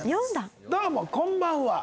どうもこんばんは。